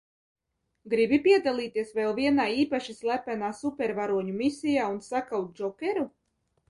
Gribi piedalīties vēl vienā īpaši slepenā supervaroņu misijā un sakaut Džokeru?